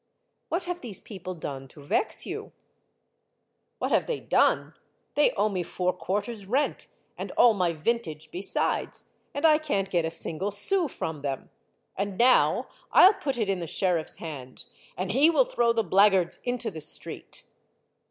'* What have these people done to vex you ?"'* What have they done ? They owe me four quarters' rent, and all my vintage besides, and I can't get a single sou from them. And now I '11 put it in the sheriff's hands, and he will throw the blackguards into the street."